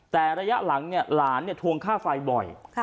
แต่ระยะหลังเนี่ยหลานเนี่ยทวงค่าไฟบ่อย